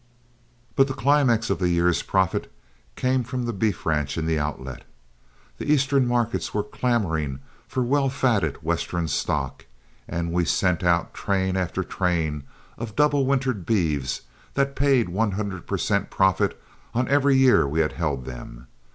But the climax of the year's profits came from the beef ranch in the Outlet. The Eastern markets were clamoring for well fatted Western stock, and we sent out train after train of double wintered beeves that paid one hundred per cent profit on every year we had held them.